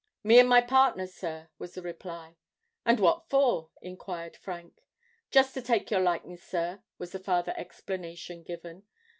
"Me and my partners, sir," was the reply. "And what for?" enquired Frank. "Just to take your likeness, sir," was the farther explanation given.